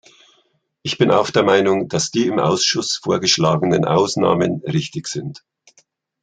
Ich bin auch der Meinung, dass die im Ausschuss vorgeschlagenen Ausnahmen richtig sind.